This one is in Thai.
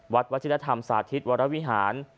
วัดวจินธรรมสาธิตวราวิหาร